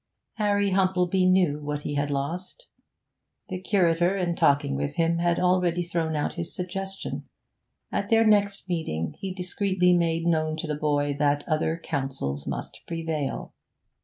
Harry Humplebee knew what he had lost; the curator, in talk with him, had already thrown out his suggestion; at their next meeting he discreetly made known to the boy that other counsels must prevail.